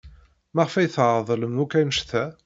Maɣef ay tɛeḍḍlem akk anect-a?